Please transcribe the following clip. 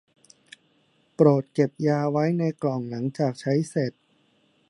โปรดเก็บยาไว้ในกล่องหลังจากใช้เสร็จ